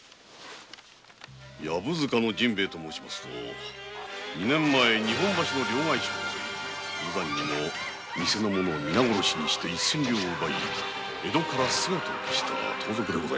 薮塚の陣兵衛と申しますと二年前日本橋の両替商を襲い無残にも店の者を皆殺しにして一千両を奪い江戸から姿を消した盗賊でございます。